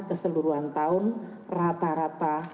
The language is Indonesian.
keseluruhan tahun rata rata